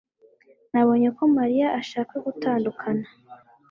Nabonye ko Mariya ashaka gutandukana